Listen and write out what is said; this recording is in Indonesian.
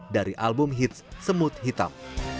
dari album hits semut hitam